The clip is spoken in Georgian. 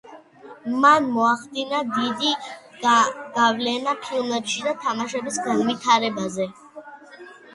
მან მოახდინა დიდი გავლენა ფილმებში თამაშის განვითარებაზე.